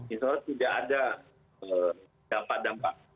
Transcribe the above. insya allah tidak ada dampak dampak